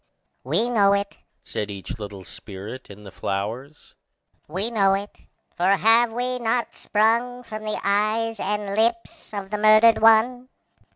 "We know it," said each little spirit in the flowers, "we know it, for have we not sprung from the eyes and lips of the murdered one.